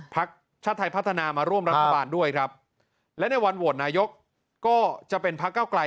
พักชาติไทยพัฒนามาร่วมรัฐบาลด้วยครับและในวันโหวตนายกก็จะเป็นพักเก้าไกล